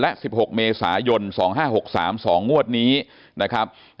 และ๑๖เมษายน๒๕๖๓๒งวดนี้นะครับ